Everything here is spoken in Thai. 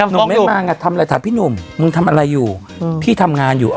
หนุ่มไม่มาไงทำอะไรถามพี่หนุ่มมึงทำอะไรอยู่พี่ทำงานอยู่